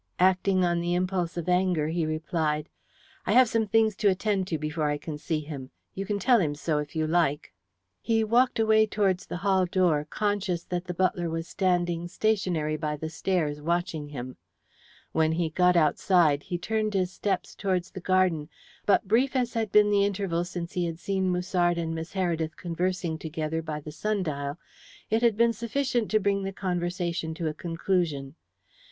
Acting on the impulse of anger he replied: "I have some things to attend to before I can see him. You can tell him so, if you like." He walked away towards the hall door, conscious that the butler was standing stationary by the stairs, watching him. When he got outside, he turned his steps towards the garden; but brief as had been the interval since he had seen Musard and Miss Heredith conversing together by the sundial, it had been sufficient to bring the conversation to a conclusion.